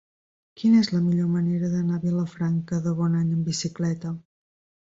Quina és la millor manera d'anar a Vilafranca de Bonany amb bicicleta?